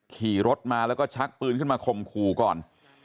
ขี่รถมาแล้วก็ชักปืนขึ้นมาข่มขู่ก่อน